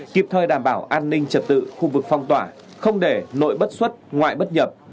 kịp thời đảm bảo an ninh trật tự khu vực phong tỏa không để nội bất xuất ngoại bất nhập